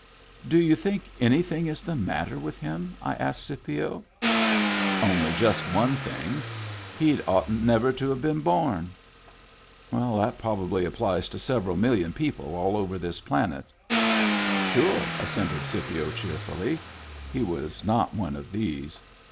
"Do you think anything is the matter with him ?" I asked Scipio. *• Only just one thing. He'd oughtn't never to have been born." "That probably applies to several million people all over this planet." "Sure," assented Scipio cheerfully. He was not one of these.